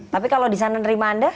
tapi kalau di sana nerima anda